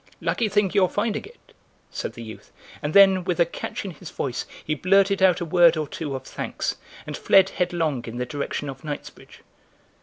"Lucky thing your finding it," said the youth, and then, with a catch in his voice, he blurted out a word or two of thanks and fled headlong in the direction of Knightsbridge.